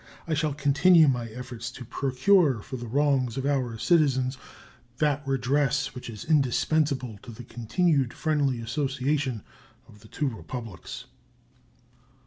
I shall continue my efforts to procure for the wrongs of our citizens that redress which is indispensable to the continued friendly association of the two Republics.